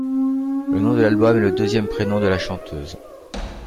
Le nom de l'album est le deuxième prénom de la chanteuse.